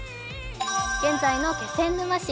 現在の気仙沼市。